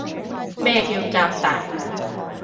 咩叫革大